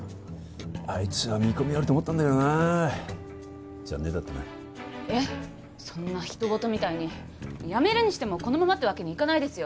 あいつは見込みあると思ったんだけどな残念だったなえっそんな人ごとみたいにやめるにしてもこのままってわけにいかないですよ